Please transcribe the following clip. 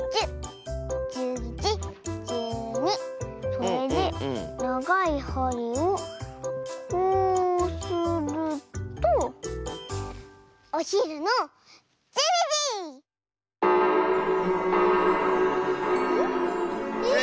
それでながいはりをこうするとおひるの１２じ！え？